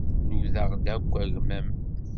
Nudaɣ-d akk agmam.